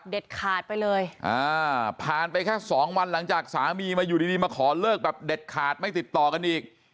ขาดไปเลยผ่านไปแค่สองวันหลังจากสามีมาอยู่ดีมาขอเลิกแบบเด็ดขาดไม่ติดต่อกันอีก